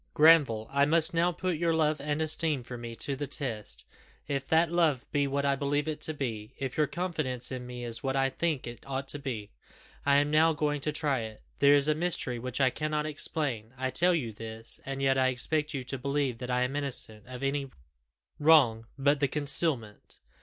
"Granville! I must now put your love and esteem for me to the test. If that love be what I believe it to be; if your confidence in me is what I think it ought to be, I am now going to try it. There is a mystery which I cannot explain. I tell you this, and yet I expect you to believe that I am innocent of anything wrong but the concealment.